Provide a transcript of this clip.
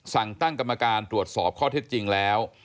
สั่งตั้งกรรมการตรวจสอบข้อเท็จจริงแล้ว